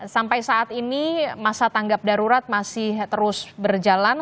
sampai saat ini masa tanggap darurat masih terus berjalan